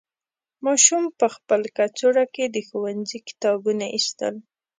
ماشوم په خپل کڅوړه کې د ښوونځي کتابونه ایستل.